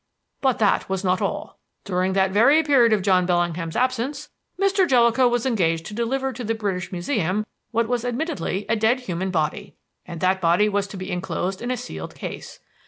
"But that was not all. During that very period of John Bellingham's absence Mr. Jellicoe was engaged to deliver to the British Museum what was admittedly a dead human body; and that body was to be enclosed in a sealed case.